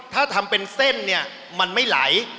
ถ้าทำเป็นเส้นเนี่ยมันไม่ไหล